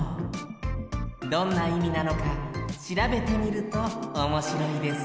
どんないみなのかしらべてみるとおもしろいですよ